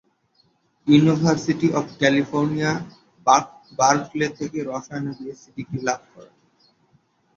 University of California, Berkeley থেকে রসায়নে BSc degree লাভ করেন।